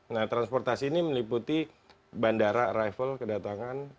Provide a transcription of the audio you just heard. nah transportasi ini meliputi bandara arrival kedatangan